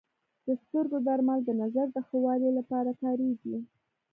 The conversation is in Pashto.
د سترګو درمل د نظر د ښه والي لپاره کارېږي.